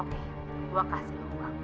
oke gue kasih uang